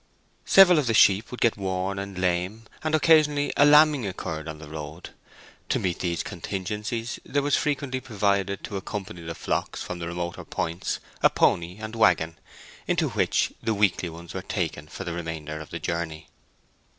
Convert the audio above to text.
Several of the sheep would get worn and lame, and occasionally a lambing occurred on the road. To meet these contingencies, there was frequently provided, to accompany the flocks from the remoter points, a pony and waggon into which the weakly ones were taken for the remainder of the journey.